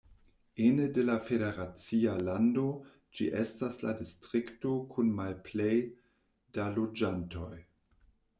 Ene de la federacia lando, ĝi estas la distrikto kun malplej da loĝantoj.